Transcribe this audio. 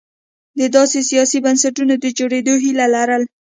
د داسې سیاسي بنسټونو د جوړېدو هیله لرله.